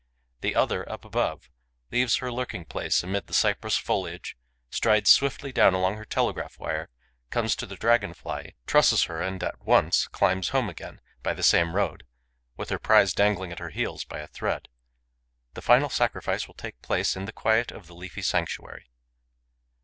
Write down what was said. The other, up above, leaves her lurking place amid the cypress foliage, strides swiftly down along her telegraph wire, comes to the Dragon fly, trusses her and at once climbs home again by the same road, with her prize dangling at her heels by a thread. The final sacrifice will take place in the quiet of the leafy sanctuary.